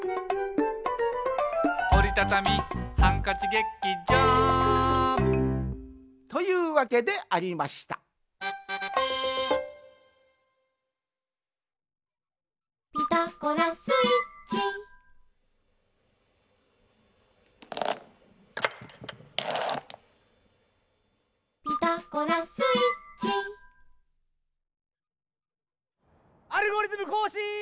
「おりたたみハンカチ劇場」というわけでありました「ピタゴラスイッチ」「ピタゴラスイッチ」「アルゴリズムこうしん」！